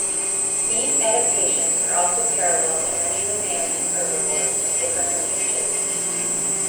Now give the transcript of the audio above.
These adaptations are also paralleled in many living mammalian herbivores of different lineages.